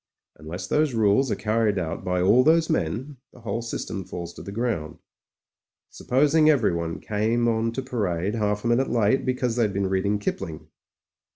Unless those rules are carried out by all those men, the whole system falls to the ground. Supposing everyone came on to parade half a minute late because they'd been reading Kipling?"